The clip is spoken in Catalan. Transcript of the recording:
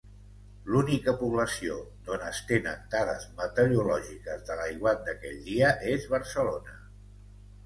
L'única població d'on es tenen dades meteorològiques de l'aiguat d'aquell dia és Barcelona.